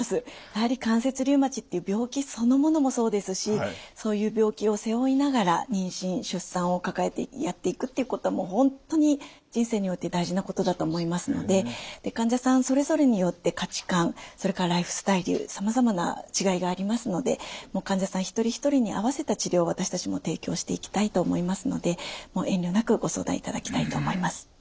やはり関節リウマチっていう病気そのものもそうですしそういう病気を背負いながら妊娠・出産を抱えてやっていくっていうことはもう本当に人生において大事なことだと思いますので患者さんそれぞれによって価値観それからライフスタイルさまざまな違いがありますので患者さん一人一人に合わせた治療を私たちも提供していきたいと思いますので遠慮なくご相談いただきたいと思います。